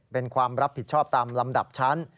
เป็นความรับผิดชอบตามลำดับชั้น